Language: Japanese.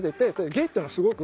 ゲイっていうのはすごく。